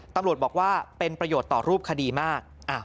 ตำรวจบอกว่าเป็นประโยชน์ต่อรูปคดีมาก